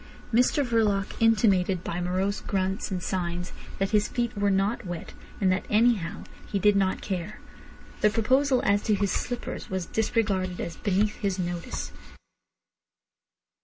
Mr Verloc intimated by morose grunts and signs that his feet were not wet, and that anyhow he did not care. The proposal as to slippers was disregarded as beneath his notice.